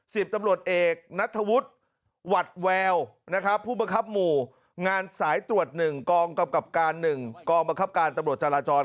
๘สิบตำรวจเอกณัฐวุฒิวัดแววผู้บังคับหมู่งสตรวจหนึ่งกกำกับการหนึ่งกบังคับการตำรวจจาราจร